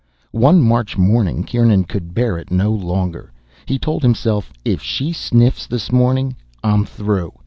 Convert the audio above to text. One March morning, Kieran could bear it no longer. He told himself, "If she sniffs this morning, I'm through.